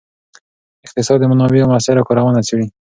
اقتصاد د منابعو مؤثره کارونه څیړي.